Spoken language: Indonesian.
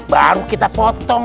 baru kita potong